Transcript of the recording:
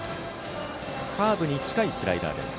カーブに近いスライダーです。